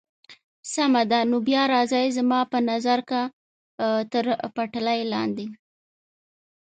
سمه ده، نو بیا راځئ، زما په نظر که تر پټلۍ لاندې.